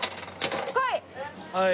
はい。